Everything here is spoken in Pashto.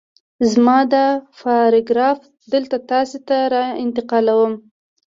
زه دا پاراګراف دلته تاسې ته را نقلوم